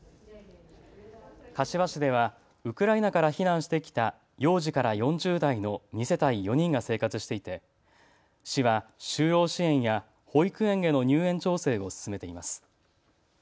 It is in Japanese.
柏市ではウクライナから避難してきた幼児から４０代の２世帯４人が生活していて市は就労支援や保育園への入園調整を進めています。